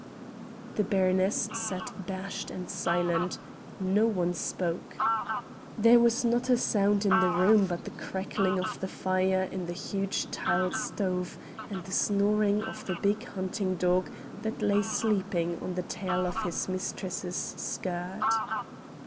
The baroness sat abashed and silent no one spoke. There was not a sound in the room but the crackling of the fire in the huge tiled stove and the snoring of the big hunting dog that lay sleeping on the tail of his mistress's skirt.